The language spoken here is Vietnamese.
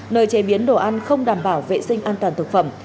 nơi chế biến đồ ăn không đảm bảo vệ sinh an toàn thực phẩm